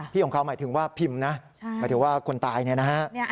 ของเขาหมายถึงว่าพิมพ์นะหมายถึงว่าคนตายเนี่ยนะฮะ